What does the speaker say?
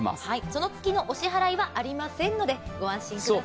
その月のお支払いはありませんので、ご安心ください。